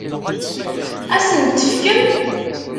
Ad asen-t-tefkemt?